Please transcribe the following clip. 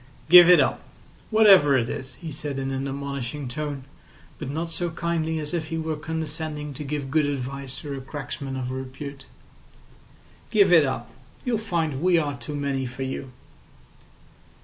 "Give it up—whatever it is," he said in an admonishing tone, but not so kindly as if he were condescending to give good advice to a cracksman of repute. "Give it up. You'll find we are too many for you."